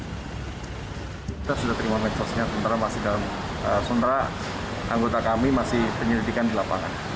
kita sudah terima mensosnya sementara anggota kami masih penyelidikan di lapangan